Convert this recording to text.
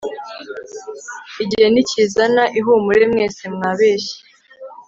Igihe ntikizana ihumure mwese mwabeshye